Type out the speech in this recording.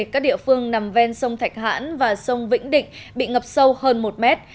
các địa phương nằm ven sông thạch hãn và sông vĩnh định bị ngập sâu hơn một mét